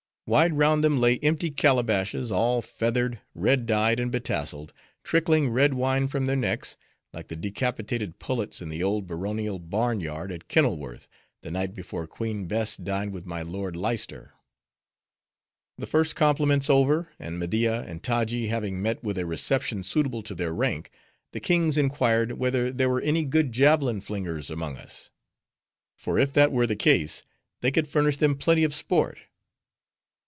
Wide round them lay empty calabashes, all feathered, red dyed, and betasseled, trickling red wine from their necks, like the decapitated pullets in the old baronial barn yard at Kenilworth, the night before Queen Bess dined with my lord Leicester. The first compliments over; and Media and Taji having met with a reception suitable to their rank, the kings inquired, whether there were any good javelin flingers among us: for if that were the case, they could furnish them plenty of sport.